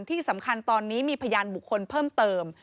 ที่สำคัญตอนนี้มีพยานบุคคลเพิ่มเติม